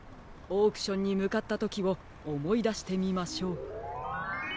オークションにむかったときをおもいだしてみましょう。